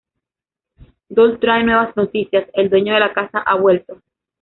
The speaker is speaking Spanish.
Dol trae nuevas noticias: el dueño de la casa ha vuelto.